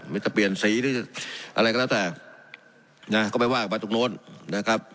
ไม่ต้องเปลี่ยนสีหรืออะไรก็แล้วแต่น่ะก็ไม่ว่ากับปัจจุโน้นนะครับ